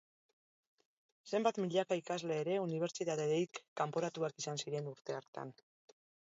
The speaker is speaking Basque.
Zenbait milaka ikasle ere, unibertsitatetik kanporatuak izan ziren urte horretan.